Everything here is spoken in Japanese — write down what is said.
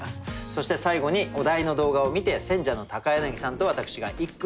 そして最後にお題の動画を観て選者の柳さんと私が一句詠ませて頂きます。